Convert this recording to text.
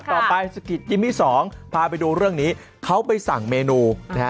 ต่อไปสกิดจิมมี่สองพาไปดูเรื่องนี้เขาไปสั่งเมนูนะฮะ